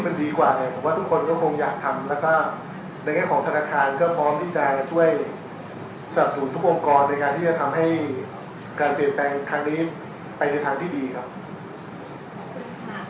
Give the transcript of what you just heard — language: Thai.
มันดีกว่าเนี่ยผมว่าทุกคนก็คงอยากทำแล้วก็ในแง่ของธนาคารก็พร้อมที่จะช่วยสนับสนุนทุกองค์กรในการที่จะทำให้การเปลี่ยนแปลงครั้งนี้ไปในทางที่ดีครับ